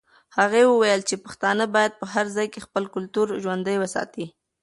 هغې وویل چې پښتانه باید په هر ځای کې خپل کلتور ژوندی وساتي.